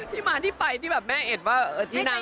ที่มาที่ไปที่แบบแม่เห็นว่าที่นาง